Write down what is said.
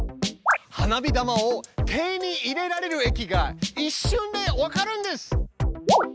花火玉を手に入れられる駅が一瞬で分かるんです！